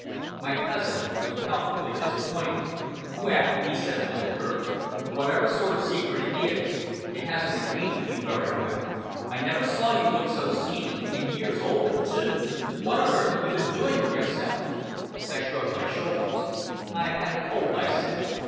My cousin was palpably disappointed. "Well," he said, a little curtly, "whatever sort of a secret it is, it hasn't agreed with you very well. I never saw you look so seedy and years older too! What on earth have you been doing with yourself?" I shrugged my shoulders. "I've had a cold," I said.